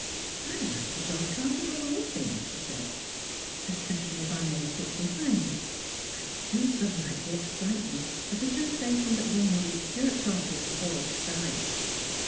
" I hke a dogcart above all things," she said, " especially if I may sit behind. I do so like the excitement of the sensation that one will be jerked off if the horse shies."